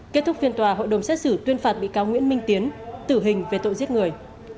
kết thúc phiên tòa hội đồng xét xử tuyên phạt bị cáo nguyễn minh tiến tử hình về tội giết người